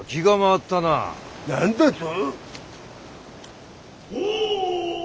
何だと？